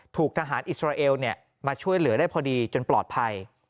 ถูกทหารอิสราเอลมาช่วยเหลือได้พอดีจนปลอดภัย